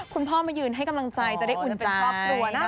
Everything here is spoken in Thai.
คุณพ่อมายืนให้กำลังใจจะได้อุ่นใจ